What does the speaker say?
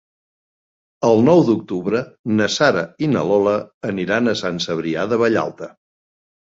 El nou d'octubre na Sara i na Lola aniran a Sant Cebrià de Vallalta.